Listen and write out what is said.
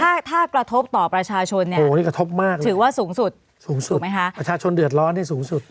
คือถ้ากระทบต่อประชาชนเนี่ยถือว่าสูงสุดประชาชนเดือดร้อนให้สูงสุด